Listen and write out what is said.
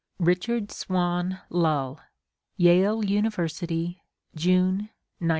Richard Swann Lull. Yale University, June, 191 7.